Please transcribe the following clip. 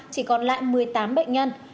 chỉ còn lại một mươi tám bệnh nhân